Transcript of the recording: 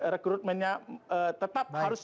rekrutmennya tetap harus